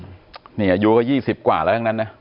นี่อายุก็๒๐กว่าแล้วทั้งนั้นนะ